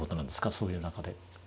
そういう中で。